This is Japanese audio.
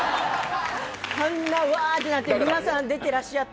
あんなに、わってなって皆さん出てらっしゃって。